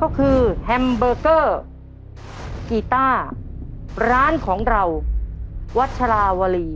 ก็คือแฮมเบอร์เกอร์กีต้าร้านของเราวัชราวรี